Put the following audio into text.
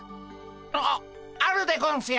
ああるでゴンスよ。